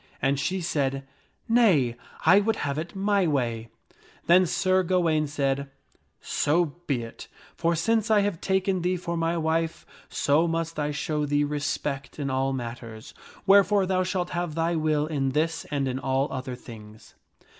And she said, " Nay, I would have it my way." Then Sir Gawaine said, " So be it. For since I have taken Sir Gawaine . giveth the lady thee for my wife, so must I show thee respect in all mat her will. ters . w herefore thou shalt have thy will in this and in all other things."